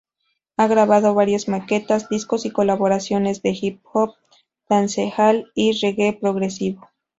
Ha grabado varias maquetas, discos y colaboraciones de hip hop, dancehall y reggae progresivo.